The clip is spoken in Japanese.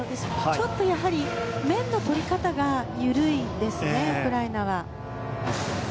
ちょっと、やはり面の取り方が緩いですねウクライナはね。